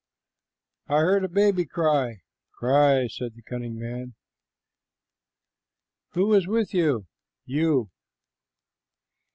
"I heard a baby cry." "Cry," said the cunning man. "Who is with you?" "You."